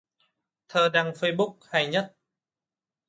Thơ đăng facebook hay nhất